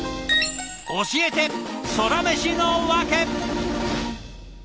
教えてソラメシのワケ！